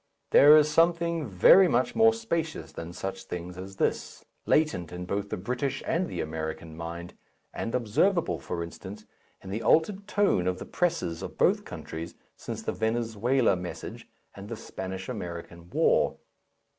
There is something very much more spacious than such things as this, latent in both the British and the American mind, and observable, for instance, in the altered tone of the Presses of both countries since the Venezuela Message and the Spanish American War.